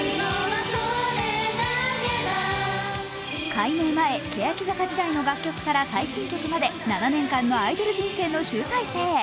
改名前、欅坂時代の楽曲から最新曲まで７年間のアイドル人生の集大成。